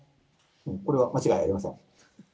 これは間違いありません。